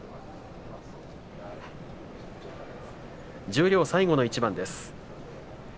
十両最後の一番です。